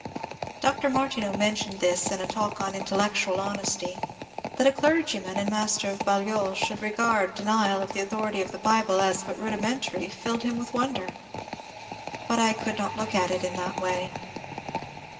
" Dr. Martineau mentioned this in a talk on intellectual hon esty. That a clergyman, and master of Balliol, should regard denial of the authority of the Bible as but rudimentary filled him with wonder. But I could not look at it in that way.